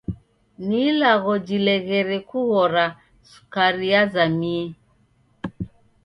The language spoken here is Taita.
Ni ilagho jileghere kughora sukari yazamie.